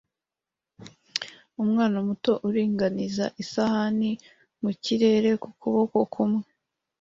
umwana muto uringaniza isahani mu kirere ku kuboko kumwe